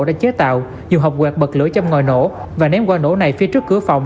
đã chế tạo dùng hộp quạt bật lưỡi trong ngòi nổ và ném qua nổ này phía trước cửa phòng